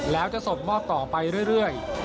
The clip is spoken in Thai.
แล้วจะส่งมอบต่อไปเรื่อย